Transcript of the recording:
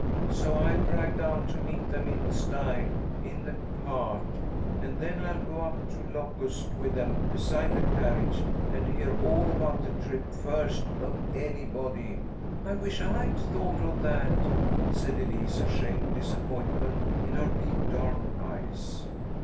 "So I'll drive down to meet them in style in the cart, and then I'll go up to Locust with them, beside the carriage, and hear all about the trip first of anybody." "I wish I'd thought of that," said Elise, a shade of disappointment in her big dark eyes.